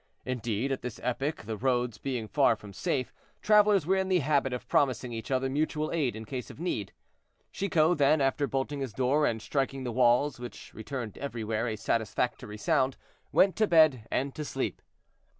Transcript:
Indeed, at this epoch, the roads being far from safe, travelers were in the habit of promising each other mutual aid in case of need. Chicot then, after bolting his door and striking the walls, which returned everywhere a satisfactory sound, went to bed and to sleep.